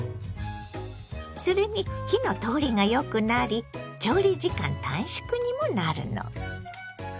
それに火の通りがよくなり調理時間短縮にもなるの。